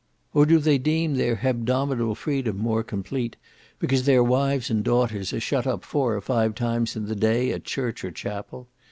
Or do they deem their hebdomadal freedom more complete, because their wives and daughters are shut up four or five times in the day at church or chapel?